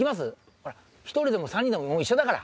ほら１人でも３人でも一緒だから。